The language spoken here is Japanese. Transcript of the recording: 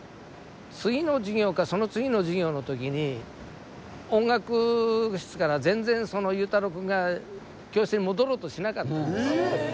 次の授業かその次の授業の時に音楽室から全然祐太朗くんが教室に戻ろうとしなかったんですね。